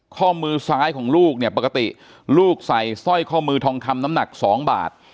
ข้อมือซ้ายของลูกเนี่ยปกติลูกใส่สร้อยข้อมือทองคำน้ำหนัก๒บาท